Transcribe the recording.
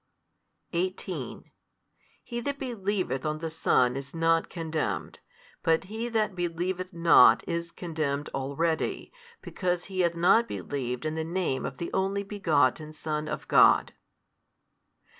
18 He that believeth on the Son is not condemned; but he that believeth not is condemned already, because he hath not believed in the Name of the Only Begotten Son of God.